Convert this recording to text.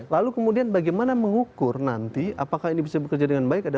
lalu kemudian bagaimana mengukur nanti apakah ini bisa bekerja dengan baik